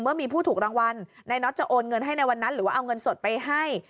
เมื่อมีผู้ถูกรางวัลนายน็อตจะโอนเงินให้ในวันนั้นหรือว่าเอาเงินสดไปให้